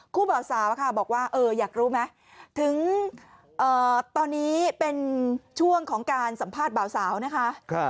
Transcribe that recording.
บ่าวสาวบอกว่าอยากรู้ไหมถึงตอนนี้เป็นช่วงของการสัมภาษณ์บ่าวสาวนะคะ